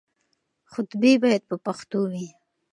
خطبې بايد په پښتو وي.